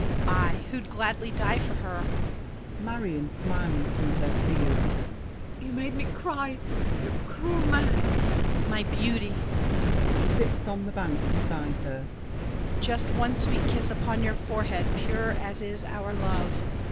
I, who'd gladly die for her! MARION (smiling through her tears). You made me cry, you cruel man! DIDIER. My beauty! [Sits on the bank beside her. Just one sweet kiss upon your forehead, pure As is our love!